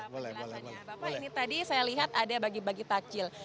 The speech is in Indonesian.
penjelasannya bapak ini tadi saya lihat ada bagi bagi takjil